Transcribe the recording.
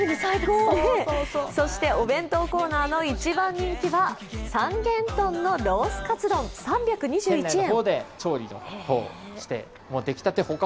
そしてお弁当コーナーの一番人気は三元豚のロースカツ丼３２１円。